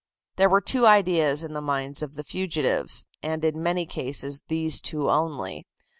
There were two ideas in the minds of the fugitives, and in many cases these two only.